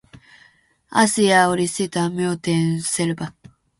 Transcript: Asia oli sitä myöten selvä.